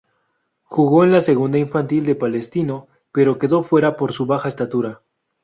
Jugó en la segunda infantil de Palestino, pero quedó fuera por su baja estatura.